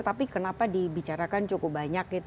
tapi kenapa dibicarakan cukup banyak